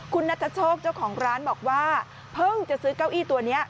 คุณนัทโชคเจ้าของร้านบอกว่าเพิ่งจะซื้อเก้าอี้ตัวนี้